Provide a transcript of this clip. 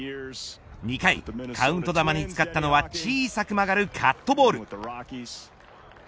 ２回カウント球に使ったのは小さく曲がるカットボール。